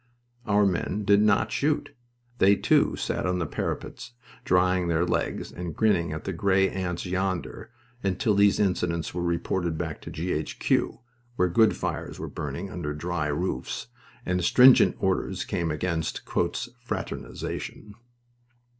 Our men did not shoot. They, too, sat on the parapets drying their legs, and grinning at the gray ants yonder, until these incidents were reported back to G. H. Q. where good fires were burning under dry roofs and stringent orders came against "fraternization."